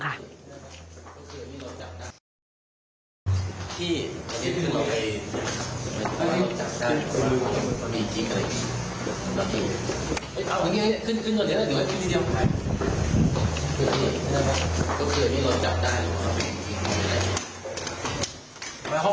ไปห้องผิว๑ก่อน